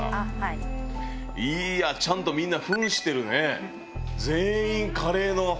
いやあちゃんとみんな扮してるね。